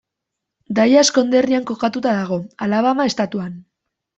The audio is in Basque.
Dallas konderrian kokatuta dago, Alabama estatuan.